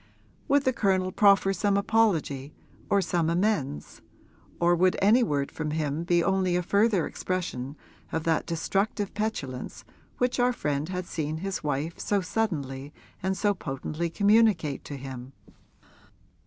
Would the Colonel proffer some apology or some amends, or would any word from him be only a further expression of that destructive petulance which our friend had seen his wife so suddenly and so potently communicate to him?